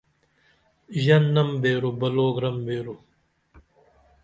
ژننم بیرو، بلو گرم بیرو